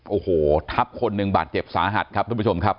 โอ้โหทับคนหนึ่งบาดเจ็บสาหัสครับทุกผู้ชมครับ